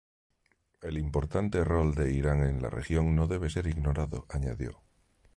El importante rol de Irán en la región no debe ser ignorado, añadió.